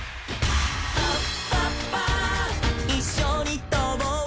「いっしょにとぼう」